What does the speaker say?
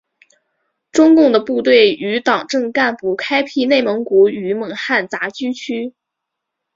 中共的部队与党政干部开辟内蒙古与蒙汉杂居区。